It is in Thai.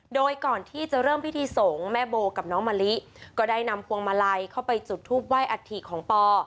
โดยก่อนที่จะเริ่มพิธีสงฆ์แม่โบกับน้องมะลิก็ได้นำพวงมาลัยเข้าไปจุดทูปไ้อัฐิของปอ